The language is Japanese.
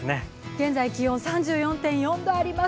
現在、気温３４．４度あります。